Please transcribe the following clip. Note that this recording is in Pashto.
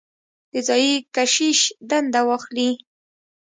د ځايي کشیش دنده واخلي.